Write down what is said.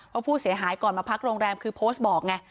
ว่าผู้เสียหายก่อนมาพักโรงแรมคือโพสต์บอกไง